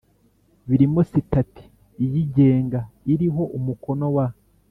birimo sitati iyigenga iriho umukono wa